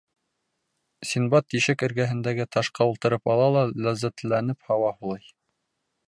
Синдбад тишек эргәһендәге ташҡа ултырып ала ла ләззәтләнеп һауа һулай.